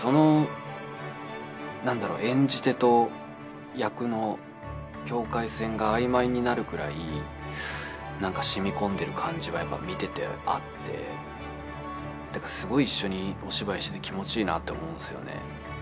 演じ手と役の境界線があいまいになるくらいしみこんでいる感じは見ててあってだから、すごい一緒にお芝居していて気持ちいいなって思うんですよね。